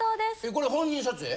これ本人撮影？